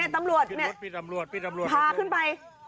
ตำรวจเนี่ยพาขึ้นไป